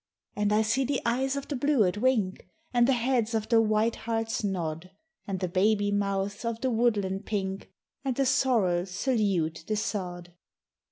And I see the eyes of the bluet wink, And the heads of the white hearts nod; And the baby mouths of the woodland pink And the sorrel salute the sod.